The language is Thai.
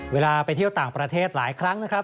เวลาไปเที่ยวต่างประเทศหลายครั้งนะครับ